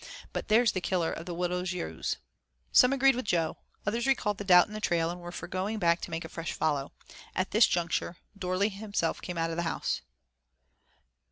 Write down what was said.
But there's the killer of the Widder's yowes." Some agreed with Jo, others recalled the doubt in the trail and were for going back to make a fresh follow. At this juncture, Dorley himself came out of the house.